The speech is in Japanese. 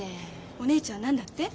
お姉ちゃん何だって？